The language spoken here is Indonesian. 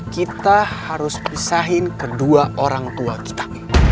kita harus pisahin kedua orang tua kita